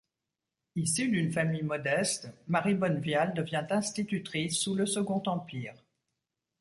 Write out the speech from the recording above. Issue d'une famille modeste, Marie Bonnevial devient institutrice sous le Second Empire.